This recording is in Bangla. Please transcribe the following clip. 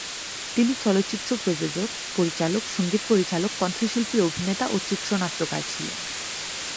তিনি চলচ্চিত্র প্রযোজক, পরিচালক, সঙ্গীত পরিচালক, কণ্ঠশিল্পী, অভিনেতা ও চিত্রনাট্যকার ছিলেন।